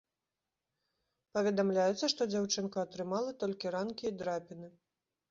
Паведамляецца, што дзяўчынка атрымала толькі ранкі і драпіны.